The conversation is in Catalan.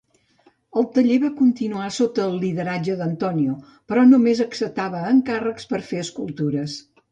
El taller va continuar sota el lideratge d'Antonio, però només acceptava encàrrecs per a fer escultures.